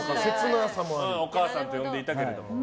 お母さんと呼んでいたけれど。